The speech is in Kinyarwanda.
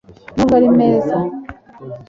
nubwo ari meza